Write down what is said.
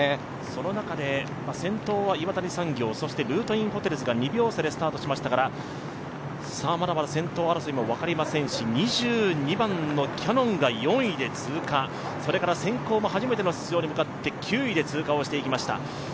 その中で先頭は岩谷産業、そしてルートインホテルズが２秒差でスタートしましたから、まだまだ先頭争いも分かりませんし２２番のキヤノンが４位で通過、それからセンコーも初めての出場に向かって９位で通過をしていきました。